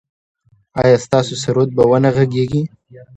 ایا ستاسو سرود به و نه غږیږي؟